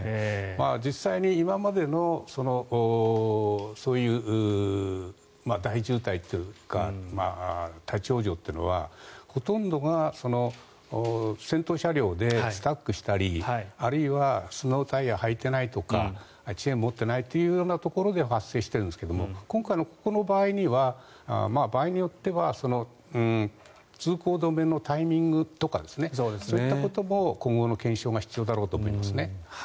実際に今までのそういう大渋滞というか立ち往生というのはほとんどが先頭車両でスタックしたりあるいはスノータイヤを履いていないとかチェーンを持っていないというところで発生しているんですけども今回のここの場合には場合によっては通行止めのタイミングとかそういったことも今後の検証が必要だろうと思いますね。